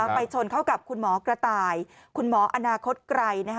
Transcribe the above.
ไปชนเข้ากับคุณหมอกระต่ายคุณหมออนาคตไกร